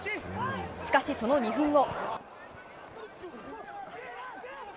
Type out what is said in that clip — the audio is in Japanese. しかし、その２分後。